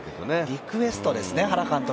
リクエストですね、原監督。